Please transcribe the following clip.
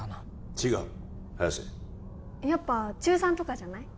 違う早瀬やっぱ中３とかじゃない？